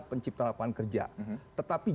penciptaan kerja tetapi